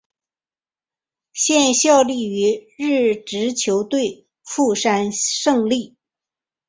现效力于日职球队富山胜利。